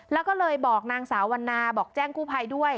แล้วก็เลยบอกนางสาววันนาบอกแจ้งกู้ภัยด้วย